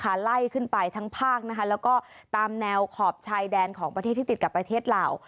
ไล่ขึ้นไปทั้งภาคนะคะแล้วก็ตามแนวขอบชายแดนของประเทศที่ติดกับประเทศลาว